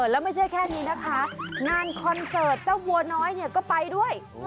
แล้วไม่ใช่แค่นี้นะคะงานคอนเสิร์ตเจ้าวัวน้อยเนี่ยก็ไปด้วย